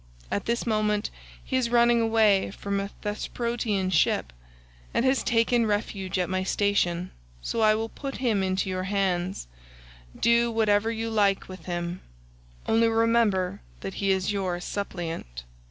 At this moment he is running away from a Thesprotian ship, and has taken refuge at my station, so I will put him into your hands. Do whatever you like with him, only remember that he is your suppliant."